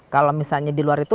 kalau misalnya di luar itu